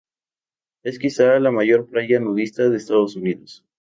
Es quizá la mayor playa nudista de Estados Unidos.